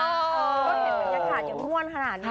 ก็เห็นบรรยากาศอย่างม่วนขนาดนี้